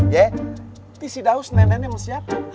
itu si daus neneknya mau siapin